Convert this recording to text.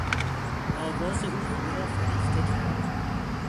آواز او همه را فریفته کرد.